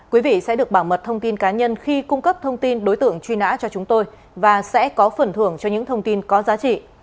quý vị sẽ được bảo mật thông tin cá nhân khi cung cấp thông tin đối tượng truy nã cho chúng tôi và sẽ có phần thưởng cho những thông tin có giá trị